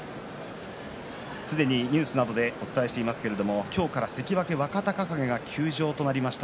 すでにニュースなどでお伝えしていますけれども今日から関脇若隆景が休場となりました。